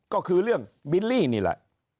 ก็คือเรื่องบิลลี่นี่แหละ